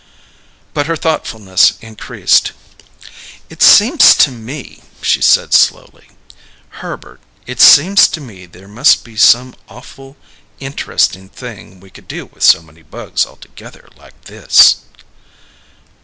But her thoughtfulness increased. "It seems to me," she said slowly: "Herbert, it seems to me there must be some awful inter'sting thing we could do with so many bugs all together like this."